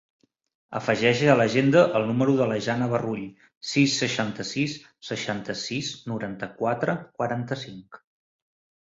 Afegeix a l'agenda el número de la Jana Barrull: sis, seixanta-sis, seixanta-sis, noranta-quatre, quaranta-cinc.